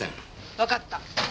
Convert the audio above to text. わかった。